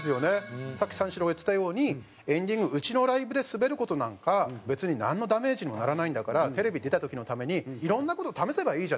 さっき三四郎が言ってたようにエンディング「うちのライブでスベる事なんか別になんのダメージにもならないんだからテレビ出た時のためにいろんな事試せばいいじゃない」。